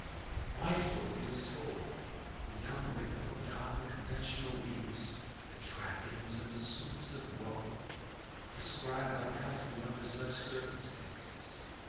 My story is told. The young widow donned the conventional weeds "the trappings and the suits of woe" prescribed by custom under such circumstances.